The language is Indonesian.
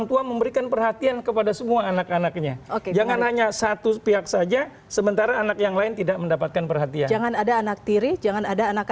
jika disebut pks seperti itu jangan jangan